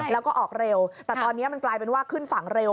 แล้วก็ออกเร็วแต่ตอนนี้มันกลายเป็นว่าขึ้นฝั่งเร็ว